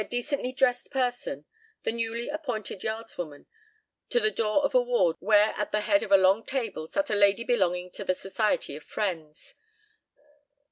_] decently dressed person, the newly appointed yards woman, to the door of a ward where at the head of a long table sat a lady belonging to the Society of Friends.